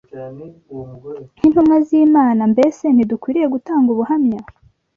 Nk’intumwa z’Imana, mbese ntidukwiriye gutanga ubuhamya